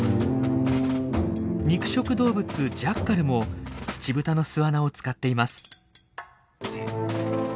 肉食動物ジャッカルもツチブタの巣穴を使っています。